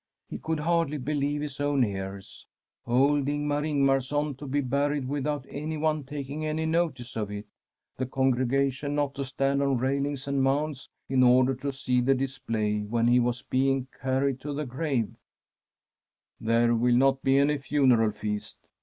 He could hardly believe his own ears. Old Ingmar Ingmarson to be buried without anyone taking any notice of it ! The congregation not to stand on railings and mounds in order to see the display when he was being carried to the grave i ' There will not be any funeral feast.